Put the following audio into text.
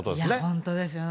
本当ですよね。